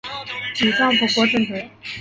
与丈夫郭政德。